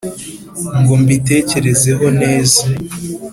ngo mbitegereze neza